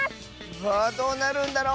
わあどうなるんだろ。